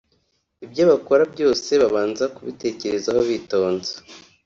ibyo bakora byose babanza kubitekerezaho bitonze